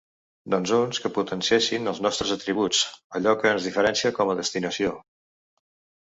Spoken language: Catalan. Doncs uns que potenciessin els nostres atributs, allò que ens diferencia com a destinació.